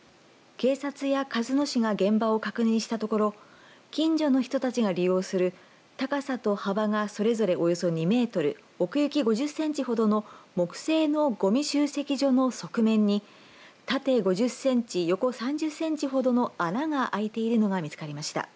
警察や鹿角市が現場を確認したところ近所の人たちが利用する高さと幅がそれぞれおよそ２メートル奥行き５０センチほどの木製のごみ集積所の側面に縦５０センチ横３０センチほどの穴が空いているのが見つかりました。